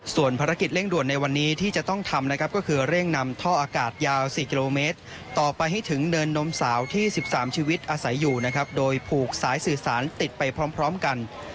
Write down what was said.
ส่วนภารกิจเร่งด่วนในวันนี้ที่จะต้องทำนะครับก็คือเร่งนำท่ออากาศยาว๔กิโลเมตรต่อไปให้ถึงเนินนมสาวที่๑๓ชีวิตอาศัยอยู่นะครับโดยผูกสายสื่อสารติดไปพร้อมกัน